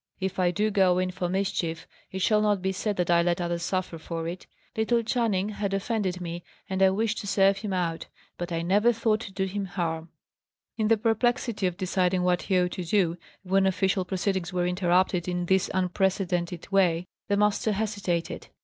If I do go in for mischief, it shall not be said that I let others suffer for it. Little Channing had offended me, and I wished to serve him out. But I never thought to do him harm." In the perplexity of deciding what he ought to do, when official proceedings were interrupted in this unprecedented way, the master hesitated.